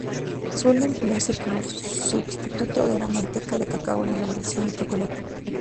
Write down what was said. Suele emplearse como substituto de la manteca de cacao en la elaboración del chocolate.